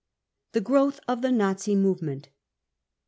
The Growth of the Na$i Movement.